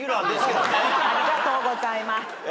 ありがとうございます。